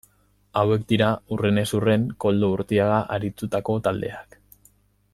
Hauek dira hurrenez hurren Koldo Urtiaga arituriko taldeak.